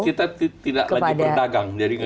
kita tidak lagi berdagang